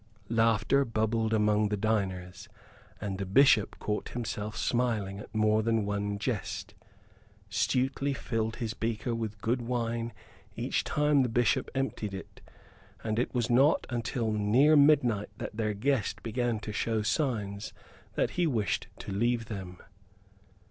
Laughter bubbled among the diners; and the Bishop caught himself smiling at more than one jest. Stuteley filled his beaker with good wine each time the Bishop emptied it; and it was not until near midnight that their guest began to show signs that he wished to leave them.